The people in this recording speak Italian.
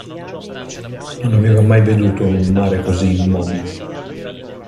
Non aveva mai veduto un mare così immobile.